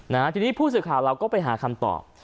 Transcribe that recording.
นะฮะทีนี้ผู้สื่อข่าวเราก็ไปหาคำตอบ